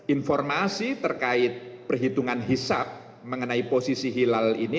informasi terkait perhitungan hisap mengenai posisi hilal ini